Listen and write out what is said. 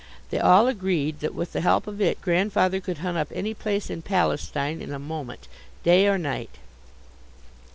They all agreed that, with the help of it, Grandfather could hunt up any place in Palestine in a moment, day or night.